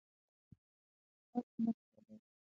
پارک مخ کې دی